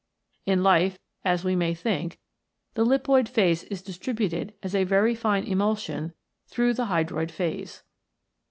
In life, as we may think, the lipoid phase is distributed as a very fine emulsion through the hydroid phase.